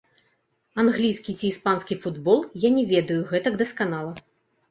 Англійскі ці іспанскі футбол я не ведаю гэтак дасканала.